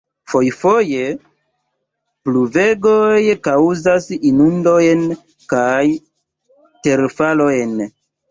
Fojfoje pluvegoj kaŭzas inundojn kaj terfalojn.